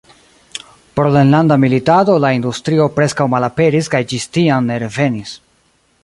Pro la enlanda militado la industrio preskaŭ malaperis kaj ĝis tiam ne revenis.